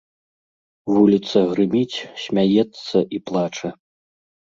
Вуліца грыміць, смяецца і плача.